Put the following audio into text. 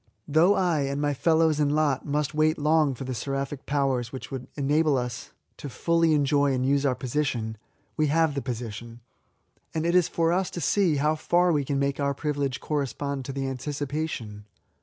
Though I, and my fellows in lot, must wait long for the seraphic powers which would enable us fully to enjoy and use our posi tion, we have the position ; and it is for us to see how far we can make our privilege correspond to the anticipation.